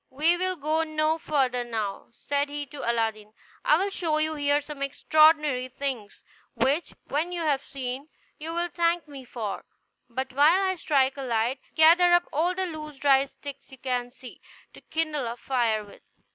"We will go no further now," said he to Aladdin; "I will show you here some extraordinary things, which, when you have seen, you will thank me for; but while I strike a light, gather up all the loose dry sticks you can see, to kindle a fire with."